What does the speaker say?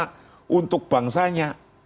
karena untuk bangsanya